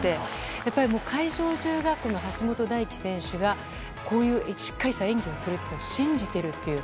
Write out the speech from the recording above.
やっぱり会場中が橋本大輝選手がしっかりした演技をするというのを信じているという。